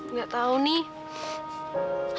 nggak tahu nih